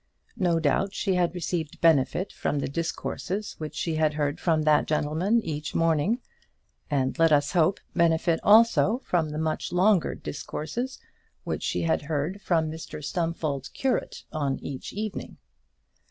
No doubt she had received benefit from the discourses which she had heard from that gentleman each morning; and, let us hope, benefit also from the much longer discourses which she had heard from Mr Stumfold's curate on each evening.